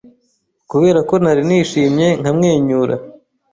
Kubera ko nari nishimye nkamwenyura